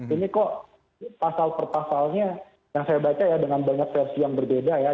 ini kok pasal per pasalnya yang saya baca ya dengan banyak versi yang berbeda ya